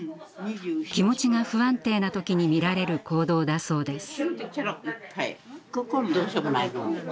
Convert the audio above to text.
気持ちが不安定な時に見られる行動だそうです。